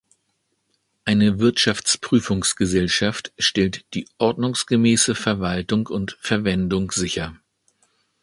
Eine Wirtschaftsprüfungsgesellschaft stellt die ordnungsgemäße Verwaltung und Verwendung sicher.